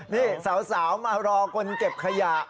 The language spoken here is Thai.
นี่สาวมารอคนเก็บขยะ